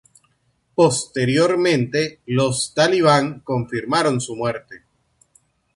Posteriormente los talibán confirmaron su muerte.